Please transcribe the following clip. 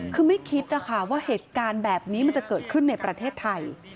คือไม่คิดนะคะว่าเหตุการณ์แบบนี้มันจะเกิดขึ้นในประเทศไทย